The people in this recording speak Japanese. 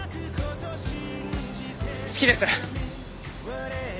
好きです。